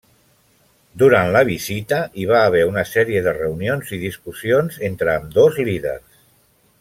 Durant la visita, hi va haver una sèrie de reunions i discussions entre ambdós líders.